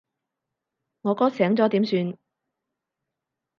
我哥醒咗點算？